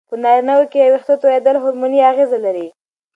په نارینه وو کې وېښتو توېیدل هورموني اغېزه لري.